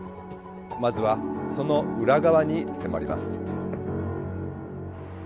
まずはその裏側に迫ります。